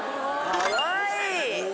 かわいい。